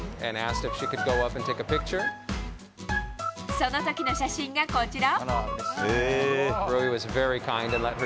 その時の写真が、こちら。